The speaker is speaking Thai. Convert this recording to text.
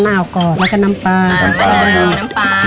แล้วก็ต้องมาทีมันใส่นี้